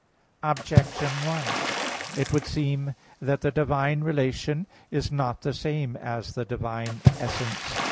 Objection 1: It would seem that the divine relation is not the same as the divine essence.